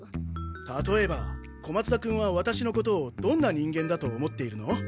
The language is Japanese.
たとえば小松田君はワタシのことをどんな人間だと思っているの？